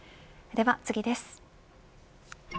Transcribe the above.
では次です。